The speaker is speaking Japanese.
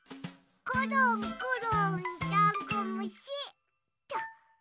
コロンコロンだんごむし。